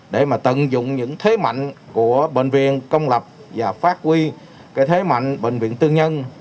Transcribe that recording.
để mà tận dụng những thế mạnh của bệnh viện công lập và phát huy cái thế mạnh bệnh viện tư nhân